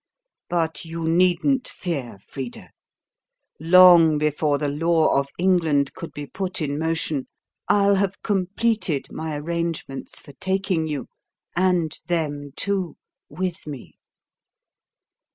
But you needn't fear, Frida. Long before the law of England could be put in motion, I'll have completed my arrangements for taking you and them too with me.